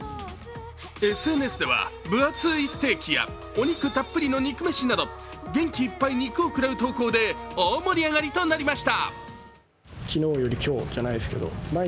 ＳＮＳでは分厚いステーキやお肉たっぷりの肉飯など元気いっぱい肉を食らう投稿で大盛り上がりとなりました。